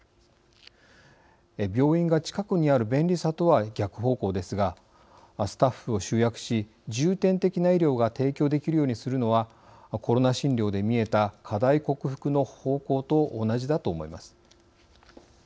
病院が近くにある便利さとは逆方向ですがスタッフを集約し重点的な医療が提供できるようにするのはコロナ診療で見えた課題克服の方向と同じだと思います。